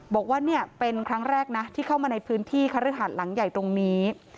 บอกว่าเนี่ยเป็นครั้งแรกนะที่เข้ามาในพื้นที่คฤหาสหลังใหญ่ตรงนี้